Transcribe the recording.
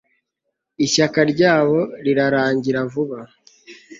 Ishyaka ryabo rirarangira vuba